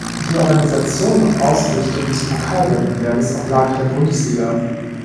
Die Organisation und Ausrichtung des Pokalwettbewerbes oblag der Bundesliga.